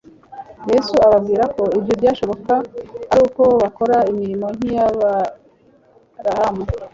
Yesu ababwira ko ibyo byashoboka ari uko bakora imirimo nk'iy'Aburahamu.